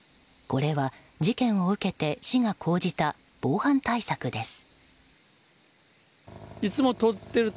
これは事件を受けて市が講じた防犯対策です。